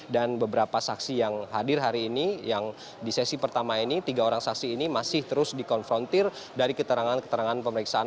beberapa saksi yang hadir hari ini yang di sesi pertama ini tiga orang saksi ini masih terus dikonfrontir dari keterangan keterangan pemeriksaan